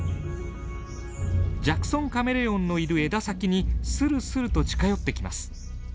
ジャクソンカメレオンのいる枝先にするすると近寄ってきます。